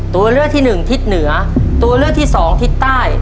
ตัวเลือกที่หนึ่งทิศเหนือตัวเลือกที่สองทิศใต้